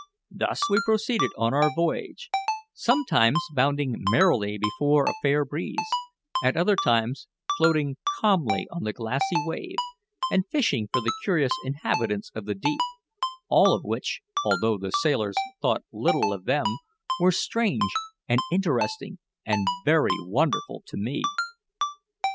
Thus we proceeded on our voyage sometimes bounding merrily before a fair breeze; at other times floating calmly on the glassy wave and fishing for the curious inhabitants of the deep, all of which, although the sailors thought little of them, were strange, and interesting, and very wonderful to me.